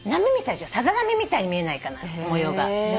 さざ波みたいに見えないかな模様が。